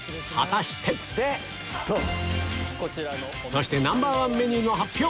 そしてＮｏ．１メニューの発表！